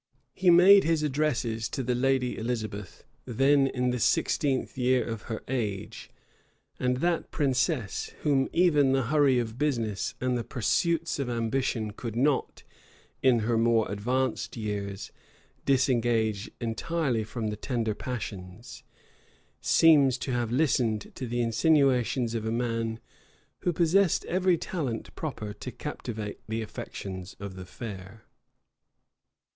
He made his addresses to the lady Elizabeth, then in the sixteenth year of her age; and that princess, whom even the hurry of business and the pursuits of ambition could not, in her more advanced years, disengage entirely from the tender passions, seems to have listened to the insinuations of a man who possessed every talent proper to captivate the affections of the fair.